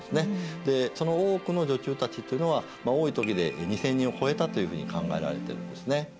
でその大奥の女中たちというのは多い時で２０００人を超えたというふうに考えられてるんですね。